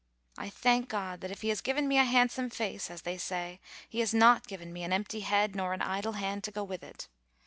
I thank God, that if he has given me a handsome face, as they say, he has not given me an empty head nor an idle hand to go with it.